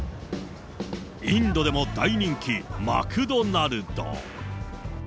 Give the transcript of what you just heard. インドでも大人気、マクドナルド。